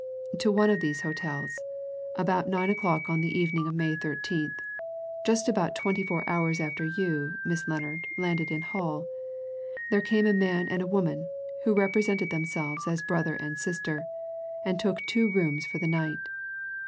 To one of these hotels, about nine o'clock on the evening of May 13th (just about twenty four hours after you, Miss Lennard, landed at Hull), there came a man and a woman, who represented themselves as brother and sister, and took two rooms for the night.